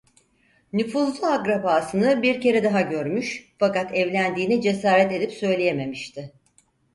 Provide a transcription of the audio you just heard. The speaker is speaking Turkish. Nüfuzlu akrabasını bir kere daha görmüş, fakat evlendiğini cesaret edip söyleyememişti.